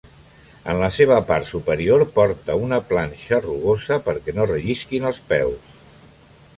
En la seva part superior porta una planxa rugosa perquè no rellisquin els peus.